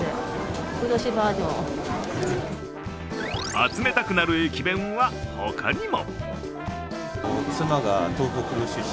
集めたくなる駅弁は、他にも。